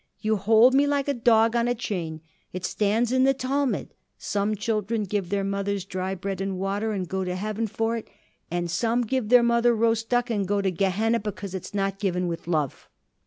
You hold me like a dog on a chain. It stands in the Talmud; some children give their mothers dry bread and water and go to heaven for it, and some give their mother roast duck and go to Gehenna because it's not given with love."